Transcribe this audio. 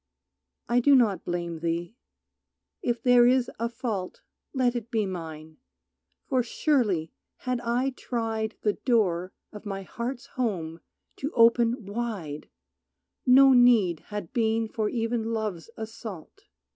I do not blame thee. If there is a fault Let it be mine, for surely had I tried The door of my heart's home to open wide No need had been for even Love's assault.